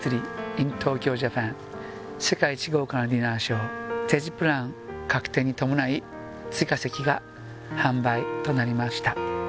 ｉｎＴＯＫＹＯＪＡＰＡＮ世界一豪華なＤＩＮＮＥＲＳＨＯＷステージプラン確定に伴い追加席が販売となりました